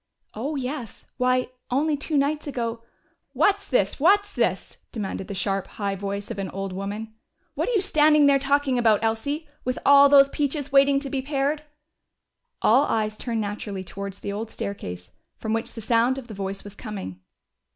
"Oh, yes. Why, only two nights ago " "What's this? What's this?" demanded the sharp, high voice of an old woman. "What are you standing there talking about, Elsie? With all those peaches waiting to be pared!" All eyes turned naturally towards the old staircase, from which the sound of the voice was coming.